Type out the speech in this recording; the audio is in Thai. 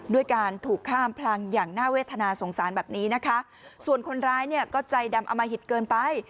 มีการถูกข้ามพลังอย่างน่าเวทนาสงสารแบบนี้ส่วนคนร้ายใจดำอามาหิตเกินไป